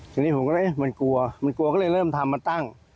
ทีนี้ผมก็เลยเอ๊ะมันกลัวมันกลัวก็เลยเริ่มทำมาตั้ง